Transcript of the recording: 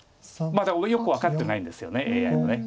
まだよく分かってないんですよねＡＩも。